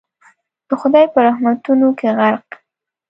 د خدای په رحمتونو کي غرق